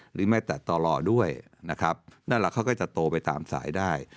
หรือแม้แต่ต่อรอด้วยนะครับนั่นแหละเขาก็จะโตไปตามสายได้